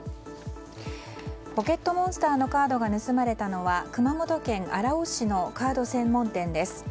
「ポケットモンスター」のカードが盗まれたのは熊本県荒尾市のカード専門店です。